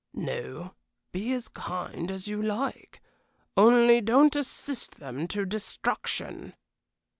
"No; be as kind as you like only don't assist them to destruction."